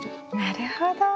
なるほど。